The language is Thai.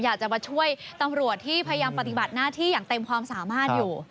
อยากจะมาช่วยตำรวจที่พยายามปฏิบัติหน้าที่อย่างเต็มความสามารถอยู่